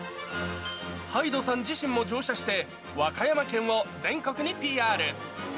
ＨＹＤＥさん自身も乗車して、和歌山県を全国にＰＲ。